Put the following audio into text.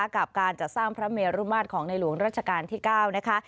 กับการจัดสร้างพระเมรุมาตรของในหลวงรัชกาลที่๙นะคะ